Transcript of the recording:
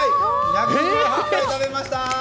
１１８杯食べました！